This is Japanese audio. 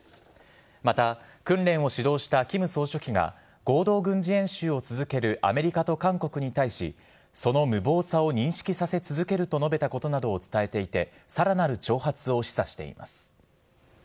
また、訓練を指導した金総書記が合同軍事演習を続けるアメリカと韓国に対しその無謀さを認識させ続けると述べたことなどを伝えていてさらなる挑発を示唆しています。